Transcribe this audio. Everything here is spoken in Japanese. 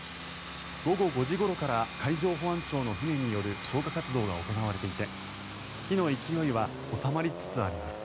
午後５時ごろから海上保安庁の船による消火活動が行われていて火の勢いは収まりつつあります。